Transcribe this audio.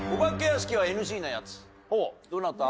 どなた？